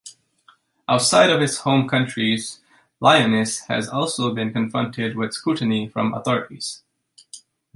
Outside of its home countries, Lyoness has also been confronted with scrutiny from authorities.